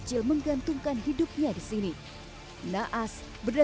kalau mereka sukses saya kan bangga